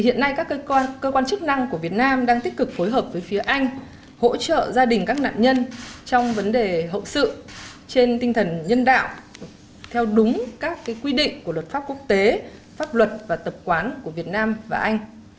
hiện nay các cơ quan chức năng của việt nam đang tích cực phối hợp với phía anh hỗ trợ gia đình các nạn nhân trong vấn đề hậu sự trên tinh thần nhân đạo theo đúng các quy định của luật pháp quốc tế pháp luật và tập quán của việt nam và anh